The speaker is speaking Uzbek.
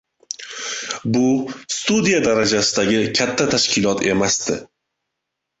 Bu studiya darajasidagi katta tashkilot emasdi.